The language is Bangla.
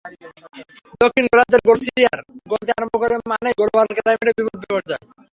দক্ষিণ গোলার্ধের গ্লোাসিয়ার গলতে আরম্ভ করা মানেই গ্লোবাল ক্লাইমেটের বিপুল বিপর্যয়।